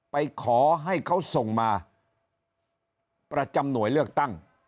ไปขอให้เขาส่งมาประจำหน่วยเลือกตั้ง